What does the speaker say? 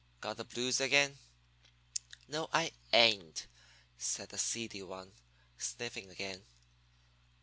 "Got the blues again?" "No, I ain't" said the seedy one, sniffing again.